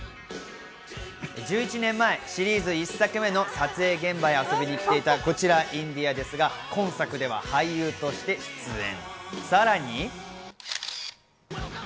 １１年前、シリーズ１作目の撮影現場へ遊びに来ていたインディアですが、今作では俳優として出演。